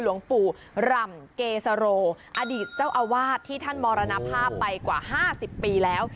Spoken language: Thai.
หลวงปู่ร่ำเกษโรอดีตเจ้าอาวาสที่ท่านมรณภาพไปกว่า๕๐ปีแล้ว